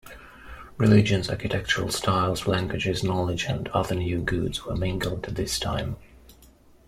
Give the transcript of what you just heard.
Religions, architectural styles, languages, knowledge, and other new goods were mingled at this time.